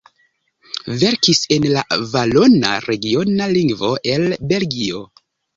Verkis en la valona, regiona lingvo el Belgio.